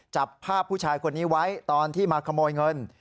จับภาพผู้ชายคนนี้ไว้ตอนที่มาขโมยเงิน